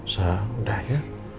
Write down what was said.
sudah udah ya